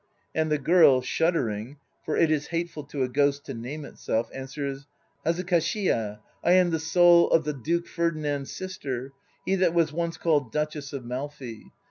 And the girl shuddering (for it is hateful to a ghost to name itself) answers: "Hazukashi yal I am the soul of the Duke Ferdinand's sis ter, she that was once called Duchess of Malfi.